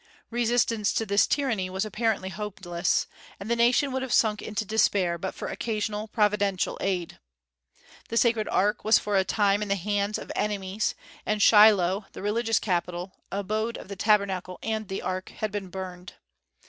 Resistance to this tyranny was apparently hopeless, and the nation would have sunk into despair but for occasional providential aid. The sacred ark was for a time in the hands of enemies, and Shiloh, the religious capital, abode of the tabernacle and the ark, had been burned.